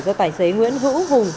do tài xế nguyễn hữu hùng